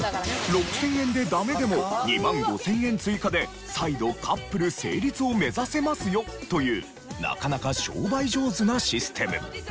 ６０００円でダメでも２万５０００円追加で再度カップル成立を目指せますよというなかなか商売上手なシステム。